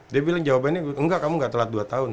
dia bilang jawabannya enggak kamu gak telat dua tahun